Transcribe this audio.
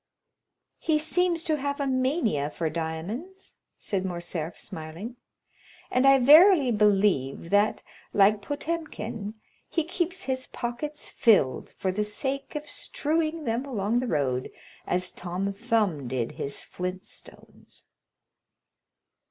"He seems to have a mania for diamonds," said Morcerf, smiling, "and I verily believe that, like Potemkin, he keeps his pockets filled, for the sake of strewing them along the road, as Tom Thumb did his flint stones."